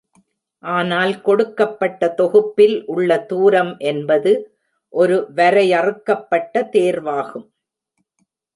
ஆனால் கொடுக்கப்பட்ட தொகுப்பில் உள்ள தூரம் என்பது ஒரு வரையறுக்கப்பட்ட தேர்வாகும்.